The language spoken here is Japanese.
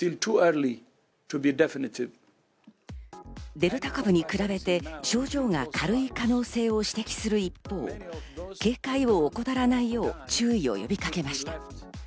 デルタ株に比べて症状が軽い可能性を指摘する一方、警戒を怠らないよう注意を呼びかけました。